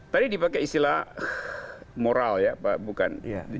tadi dipakai istilah moral ya pak bukan